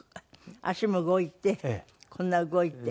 脚も動いてこんな動いて。